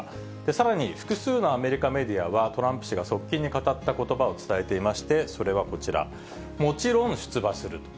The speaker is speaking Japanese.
さらに、複数のアメリカメディアは、トランプ氏が側近に語ったことばを伝えていまして、それはこちら、もちろん、出馬すると。